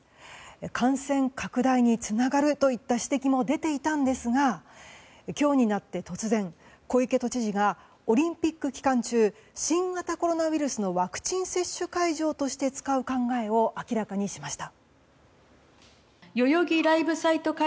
感染拡大につながるといった指摘も出ていたんですが今日になって突然小池都知事がオリンピック期間中新型コロナウイルスのワクチン接種会場として使う考えを明らかにしました。